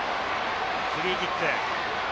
フリーキック。